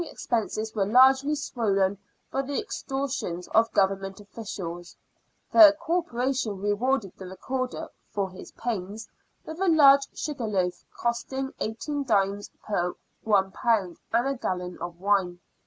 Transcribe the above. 69 expenses were largely swollen by the extortions of Government officials. (The Corporation rewarded the Recorder, " for his pains," with a large sugarloaf costing i8d. per lb., and a gallon of wine.)